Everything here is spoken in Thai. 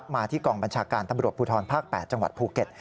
มาที่กองบัญชาการตำรวจภูทรภาค๘จังหวัดภูเก็ต